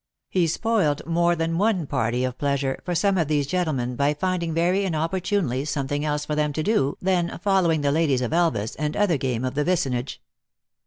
He spoiled more than one party of pleasure for some of these gentle men by finding very inopportunely something else for them to do than following the ladies of Elvas and O other game of the vicinage.